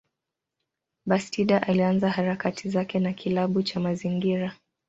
Bastida alianza harakati zake na kilabu cha mazingira.